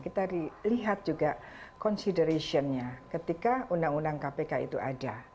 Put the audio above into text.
kita lihat juga considerationnya ketika undang undang kpk itu ada